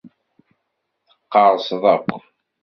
Teqqerseḍ akk!